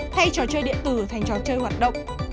thay trò chơi điện tử thành trò chơi hoạt động